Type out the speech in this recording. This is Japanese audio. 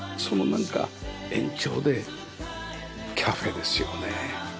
そのなんか延長でカフェですよね。